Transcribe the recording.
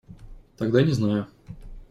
Тогда не знаю.